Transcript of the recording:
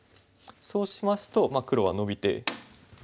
そうしますと黒はノビて。